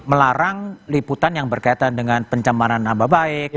melarang liputan yang berkaitan dengan pencemaran nama baik